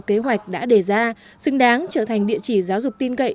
kế hoạch đã đề ra xứng đáng trở thành địa chỉ giáo dục tin cậy